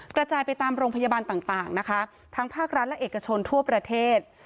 กระจายไปตามโรงพยาบาลต่างนะคะทั้งภาครัฐและเอกชนทั่วประเทศ